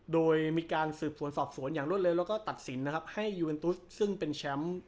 โดยมีการสืบสวนสอบสวนอย่างรวดเร็วแล้วก็ตัดสินนะครับให้ยูเอ็นตุสซึ่งเป็นแชมป์